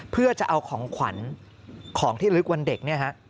เพื่อจะเอาของขวัญของที่ลึกวันเด็กเนี่ยฮะ